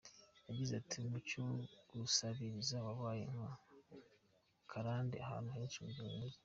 Yagize ati “Umuco wo gusabiriza wabaye nka karande ahantu henshi mu mijyi.